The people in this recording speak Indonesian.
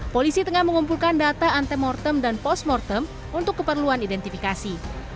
polisi tengah mengumpulkan data antemortem dan postmortem untuk keperluan identifikasi